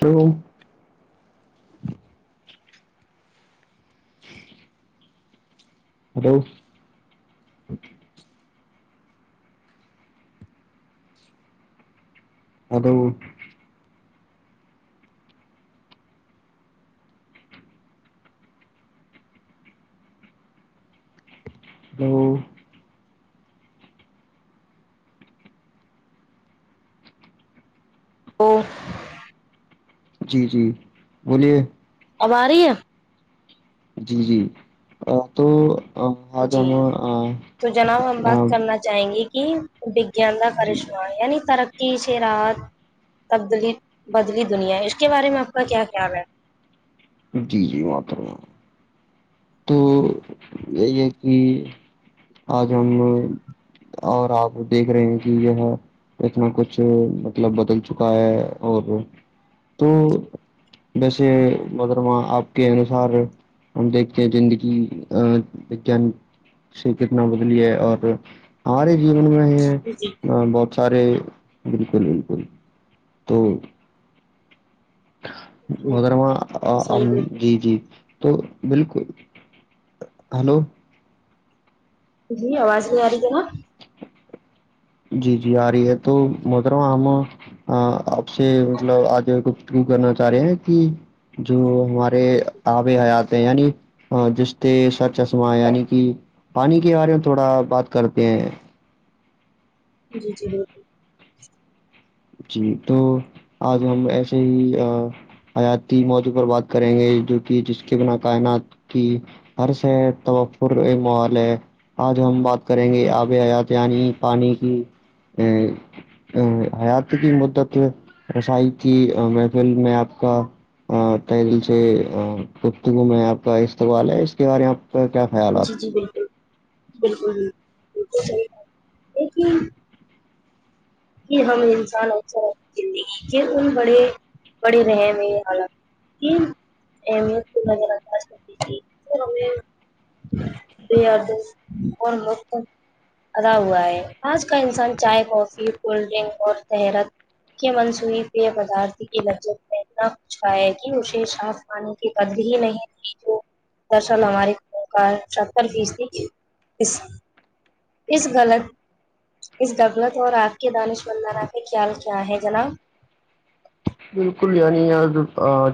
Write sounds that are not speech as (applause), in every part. تو ہلو اد تو وہ جی جی بولیے اب آ رہی ہے جی جی تو آج ہم جی آ، تو جناب ہم بات آ، کرنا جائیں گی کہ وگان کا جی کرشما یعنی ترقی پیچھے رات تبدلی بدلی دنیا ہے اس کے بارے میں آپ کا کیا خیال ہے جی جی ماتر ہ تو یہی ہے کہ آج ہم لو اور آپ دیکھ رہے ہیں کہ یہ ہے کتنا کچھ مطلب بدل چکا ہے اور تو ویسے مرمہ آپ کے انوسار ہم دیک زندگی ا وان سے کتنا بدلی ہے اور ہمارے جیون میں جی بہت سارے بالکل بالکل تو جی مگرگرا صحیح بالکل جی جی تو بالکل ہلو جی آواز نہیں آ رہی ہے نا جی جی آ رہی ہے تو مترو ہمام ہاں آپ سے مطلب آج کچھ کیوں کرنا چاہ رہے ہیں کہ جو ہمارے آب حیات یعنی جس سے سر چشمہ یعنی کہ پانی کے بارے میں تھوڑا بات کرتے ہیں جی جی جی تو آج ہم ایسے ہی حیاتی موضوع پر بات کریں گے جو کہ جس کے بنا کائنات کی اورر سے تم پور محلے آج ہم بات کریں گے آب حیات یعنی پانی کی ا ا حیات کی مدت رسائی تھی محفل میں آپ کا ہ دل سے کتگو میں آپ کا استقبال ہے اس کے بارے میں آپ کا کیا خیالات جی جی بالکل بالکل جی بکل صحیح لیکن کہ ہم انسان اثر زندگی کے ان بڑے بڑے رہم حال اہمیت پاس ہوتی تھی تو ہمیں د کون مت ادا ہوا ہے آج کا انسان چائے کافی کولڈ ڈرنک اور تیرت کے منسوئیی پی پدارت کی لجب میں اتنا کچھ پایا کہ اسے پانی کی قد بھی نہیں تھی جو درصل ہماری کا ستر فیصد اس غلط اس غغلت اور آپ کے دانش مندانہ پ خیال کیا ہے جناب بالکل یعنی جو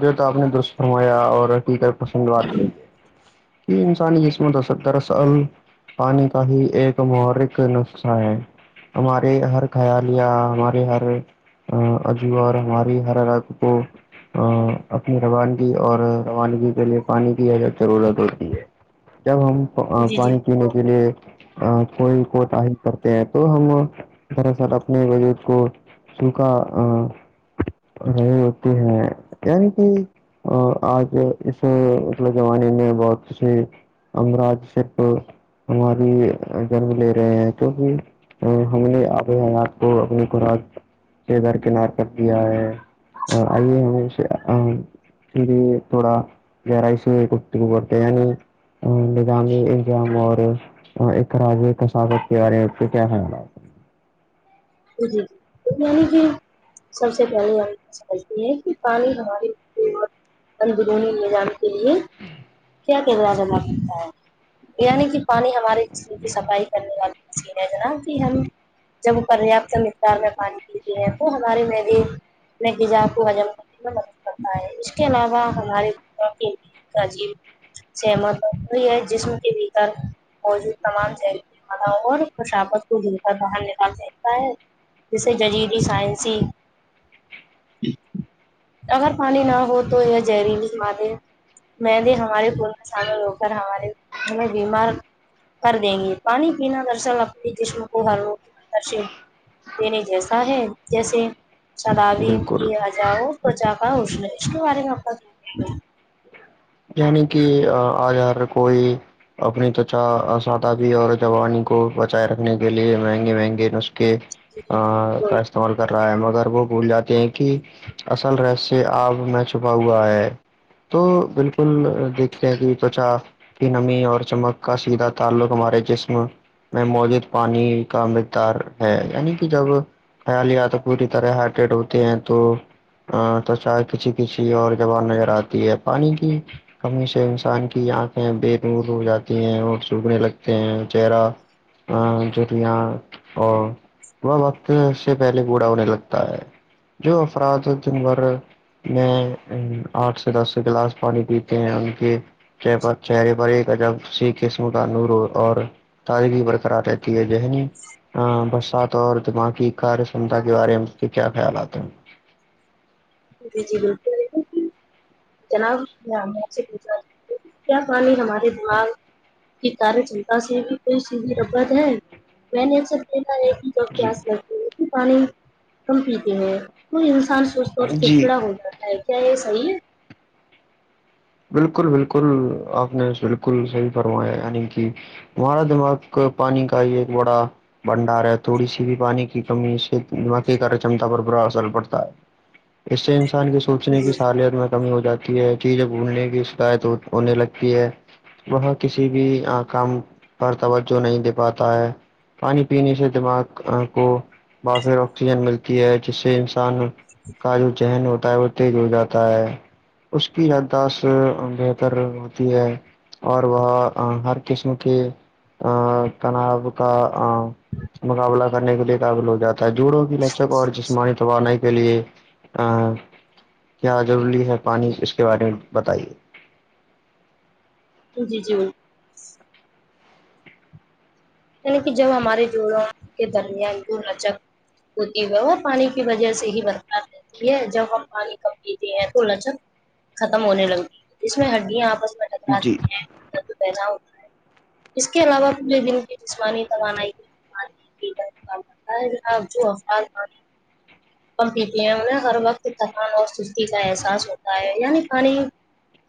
ہے آپ نے درست فرمایا اور یکر پسند بات کہ انسانی اسسمتس دراصل پانی کا ہی ایک محرک نسخہ ہے ہمارے ہر خیالیہ ہمارے ہر عجو اور ہمارے وہ ہرا رگ کو اپنی روانگی اور روانگی کے لیے پانی کی اجت ضرورت ہوتی ہے جب ہم جی جی پانی پینے کے جی لیے کوئی کوٹی کرتے ہیں تو ہم دراصل اپنے وجود کو تو کا وہ ہوتی ہے ینی کہ اور آج اس اگلے زمانے میں بہت سے امراج شپ ہماری جنم لے رہے ہیں توک ہم نے آب حیات کو اپنی خوراک کے در کنار کر دیا ہے ہ ائیے ہ بھی تھوڑا گرائی سے کتی کوکتے نظامی انظام اور اراج کثافت کے بارے میں سے کیا خیال ہے جی جی یعنی جی سب سے پہلی آ سمجھتی ہے کہ پانی ہماری قت ان بوون نہیں ج آگتیی (unintelligible) کیا کردار جما کرتا ہے یعنی کی پانی ہمارے اس کی صفائی کرنے والی ا جناب کہ ہم جب وہ کر رہے ہیں آپ سے مقدار میں پانی ہیں تو ہمارے میں بھی اپنے غذا کو حجم کرنے میں مدد کرتا ہے اس کے علاوہ ہمارے کا جیب سہمت ہی ہے جسم کے بھیتر موجود تمام ج والا اور خشاابت کو دل کر باہر نکال دیتا ہے جیسے جزیدی سائنسی اگر پانی نہ ہو تو یا زہریلی م دے میں بھی ہماری پورن سامل ہو کر ہمارے ہمیں بیمار کر دیں گے پانی پینا درصل اپنے جسم کو ہر روگ درل دینے جیسا ہے جیسے ہیں؟ سلاابی بالکل ا پچا کاا اسن اس کے بارے میں آپ کا یعنی کہ اگرگر کوئی اپنی تچا اسادابی اور جوانی کو بچائے رکھنے کے لیے مہنگے مہنگے نسخے ا کا استعمال کر رہا ہے مگر وہ بھول جاتے ہیں کہ اصل رہسیہ آب میں چھپا ہوا ہے تو بالکل فل دکھتے کہ توچا کی نمی اور چمک کا سیدھا تعلق ہمارے جسم میں موجود پانی کا مقدار ہے یعنی کہ جب خیالیا تو پوری طرح ہارٹٹ ہوتے ہیں تو ہاں تو چائے کسیی کسیی اور جوان نظر آتی ہے پانی کی کمی سے انسان کی آنکھیں بے دور ہو جاتی ہیں اور سوکھنے لگتے ہیں چہرہ ا ج یہ ا وہ وقت سے پہلے بوڑا ہونے لگتا ہے جو افراد جنھر میں آٹھ سے دس گلاس پانی پی ان کی چ چہرے پر ایک کا جب س قسم کا نور اور تازگی برقرار رہتی ہے ذہنی ہاں برسات اور دماغی کار سمتا کے بارے میں سے کیا خیال آتے ہیں جے جی بون جناب میں سے پوچھا ہ کیا پانی ہمارے دماغ کی تارے چنپا سے کی کوئی سیدھی ربت ہے میں نے اثر ای ہے جی کہیاس لگتے پانی کم پیتے ہیں کوئی انسان اس جی پڑچڑا ہو جاتا ہے کیا یہ صحیح ہے بالکل بالکل آپ نے بالکل صحیح فرمایا یعنی کہ ہمارا دماغ پانی کا ہی ایک بڑا بنڈار ہے تھوڑی سی بھی پانی کی کمی سے مکے کاار چمتا پر برا اثر پڑتا ہے اس سے انسان کے سوچنے کی سالت میں کمی ہو جاتی ہے چیزب گھڑنے کی شکایت ہونے لگتی ہے وہ کسی بھی کام پر توجہ نہیں دے پاتا ہے پانی پینے سے دماغ کو با پھر آکسیجن ملتی ہے جس سے کا جو چہن ہوتا ہے وہ تیز ہو جاتا ہے اس کی س بہتر ہوتی ہے اور وہ ہر قسم کے ا تناب کا مقابلہ کرنے کے لیے قابل ہو جاتا جوڑوں کی لچک اور جسمانی توانا کے لیے کیا ضروری ہے پانی اس کے بارے میں بتائیے ج جی جی یعنی کہ جب ہمارے جوڑوں کے درمیان د لچک ہوتی ہے وہ پانی کی وجہ سے ہی برتااتے ہے جب ہم پانی کم پیتے ہیں تو لجک ختم ہونے لگی ج میں ہڈیاں آپس میں جی پیدا ہوتا ہے اس کے علاوہ پورے دن جسمانی توانائی ہے آپ جو افراد پمپ لیتی ہیں انہیں ہر وقت تھکان اور سستی کا احساس ہوتا ہے یعنی پانی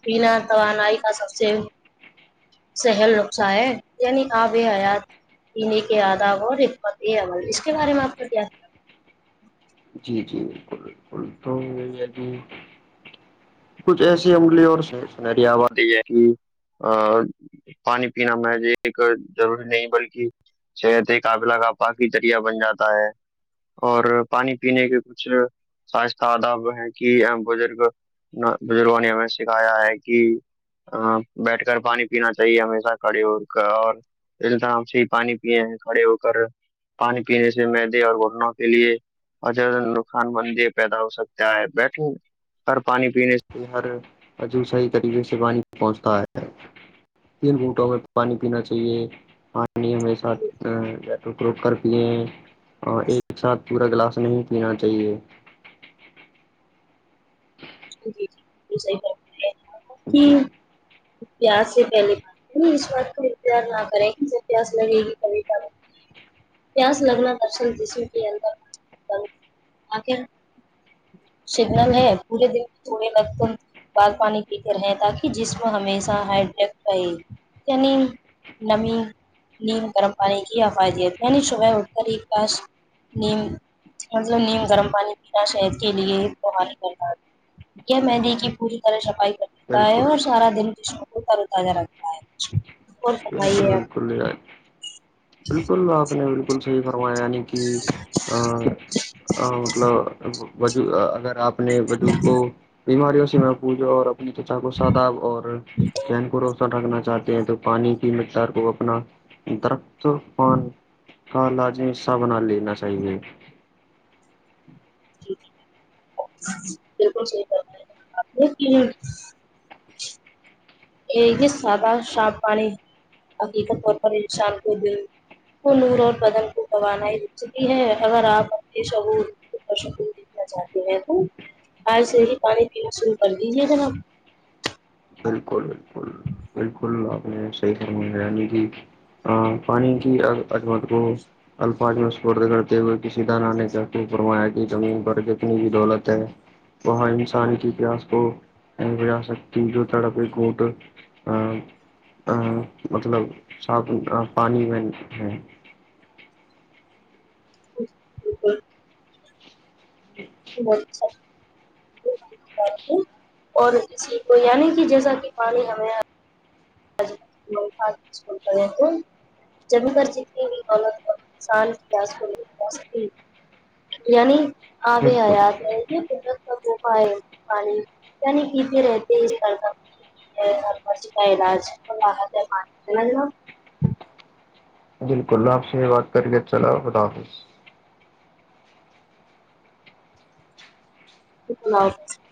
پینا توانائی کا سب سے سہل نقصا ہے یعنی آپ یہ حیات تین کے آدا ربت اے اول اس کے بارے میں آپ کا کیا ہے جی جی بالکل بالکل تو ید کچھ ایسی عملی اورشنہری آبادی جیسی پانی پینا میں ضروری نہیں بلکہ شت قابلہ کا پااک ذریہ بن جاتا ہے اور پانی پینے کے کچھ سہستتا ادا ہیں کہ بزرگ بزرگوں نے ہمیں سکھایا ہے کہ ہ بیٹھ کر پانی پینا چاہیے ہمیشہ کھڑی اڑ کر اور ایکدام سے ہی پانی پیے ہیں کھڑے ہو کر پانی پینے سے میدے اور گٹنوں کے لیے اور نقصان بندی پیدا ہو سکتا ہےئے بیٹھیں ہر پانی پینے سے ہر وجو صحیح طریقے سے پانی پہنچتا ہے تین گھنٹوں میں پانی پینا چاہیے پانی ہمے ساتھک روک کر پیے اور ایک ساتھ پورا گلاس نہیں پینا چاہیے جی جی صحی بات ہے کہ جی پیاس سے پہلے نہیں اس بات کو انتظار نہ کرے ک جب پیاس لگے گی کبھیب پس لگنا درسن جسوں کے اندر آخر شرگ ہے پورے د بر بال پانی پیتے رہے تاکہ جسم ہمیشہ ہائڈرییک رہے نے نمی (unintelligible) نیم گرم پانی کی حفظیت یعنی صبح اٹھ کر ایک کاش نیم مطلب نیم گرم پانی پینا شہد کے لیےوال کرنا کیا میں نےی کی پوری طرح صفائی کر دیتا ہے بالکل اور سارا دن جشم کو تر و تازہ رکھتا ہے اور بالکل فرمائیے آپ بالکل نان بالکل آپ نے بکل کن سے ہی فرمایا یعنی کہ مطلب وج اگر آپ نے وجود کو بیماریوں سے میں پوجو اور اپنی چچا کو سدا اور چہن کو روشن رکھنا ہیں تو پانی کی مقدار کو اپنا درخت پان ک لاجی حصہ بنا لینا چاہیے بالکل صحی فرمایا یہ جو سادا صف پانی بقی تو سف کر د (unintelligible) وہ نور اور بدن کو توانا ہی دکھ چتی ہے اگر آپ اپنے شعور چاہتی میر تو آج سے ہی پانی پینا شروع کر دیجیے ھر آ بالکل بالکل بالکل آپ نے صی کرنی کی پانی کی عدمت کو الفاظی مسفرد کرتے ہوئے کسی دانا نے کہ فرمایا کہ زمین پر جتنی بھی دولت ہے وہاں انسانی کی اتہس کو وجا سکتی جو سا کوئی کوٹ ا مطلب صاف پانی میں ہے (unintelligible) جی (unintelligible) (unintelligible) اور اسسی کو یعنی کہ جیسا کہ پانی ہمیں کول پڑ جب مر جیتنی ہوئی عت شان پسی یعنی آے بالکل آیات ہے یہ سوفا ہے پانی عنی کیتے رہتے ہیں کر کا سھرپچ کا علاج لا م نہیں ن بالکل آپ سے یہ بات کریے چلو خدا حافظ (unintelligible)